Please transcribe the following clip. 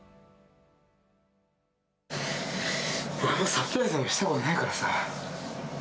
サプライズなんかしたことないからさ。